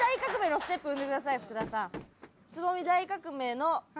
福田さん。